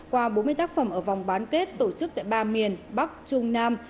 qua bốn mươi tác phẩm ở vòng bán kết tổ chức tại ba miền bắc trung nam